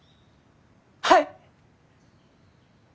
はい！